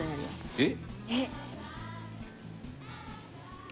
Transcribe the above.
えっ？